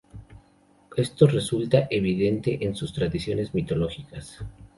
Esto resulta evidente en sus tradiciones mitológicas.